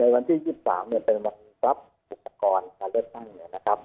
วันที่๒๓เนี่ยเป็นวันรับอุปกรณ์การเลือกตั้งเนี่ยนะครับ